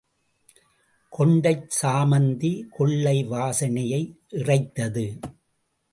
கொண்டைச் சாமந்தி கொள்ளை வாசனையை இறைத்தது.